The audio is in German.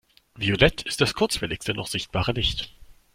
Violett ist das kurzwelligste noch sichtbare Licht.